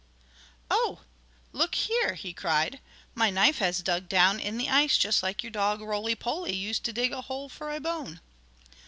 "Oh, look here!" he cried. "My knife has dug down in the ice just like your dog Roly Poly used to dig a hole for a bone."